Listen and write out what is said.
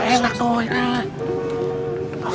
diyak di sini dur warmer